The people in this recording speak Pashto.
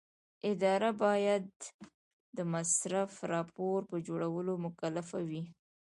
اداره باید د مصرفي راپور په جوړولو مکلفه وي.